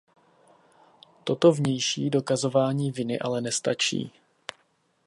Toto vnější dokazování viny ale nestačí.